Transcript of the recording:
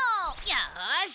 よし。